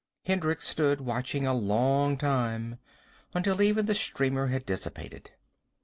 Hendricks stood watching a long time, until even the streamer had dissipated.